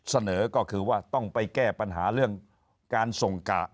เสนอก็คือว่าต้องไปแก้ปัญหาเรื่องการส่งกะ